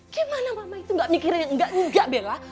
gimana mama itu gak mikir yang enggak enggak bella